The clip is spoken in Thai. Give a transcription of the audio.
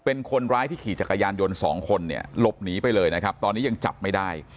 เป็นคนร้ายที่ขี่จักรยานยนต์สองคนเนี่ยหลบหนีไปเลยนะครับตอนนี้ยังจับไม่ได้